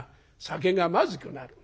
酒がまずくなる。